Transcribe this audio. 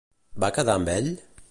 Va quedar amb ell?